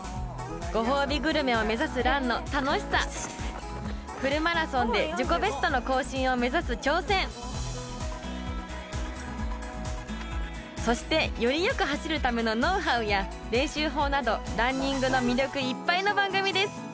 ご褒美グルメを目指すランの楽しさフルマラソンで自己ベストの更新を目指す挑戦そしてよりよく走るためのノウハウや練習法などランニングの魅力いっぱいの番組です